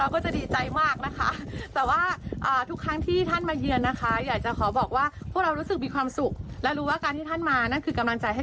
ขอให้คุณกำลังจาคัมลังใจ